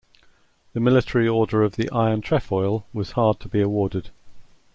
The Military Order of the Iron Trefoil was hard to be awarded.